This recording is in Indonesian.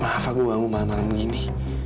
maaf aku bangun malam malam begini